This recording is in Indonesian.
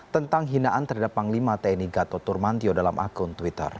tentang hinaan terhadap panglima tni gatot turmantio dalam akun twitter